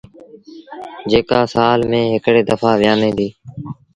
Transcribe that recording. جيڪآ سآل ميݩ هڪڙي دڦآ ويٚآمي ديٚ۔